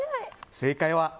正解は、Ａ！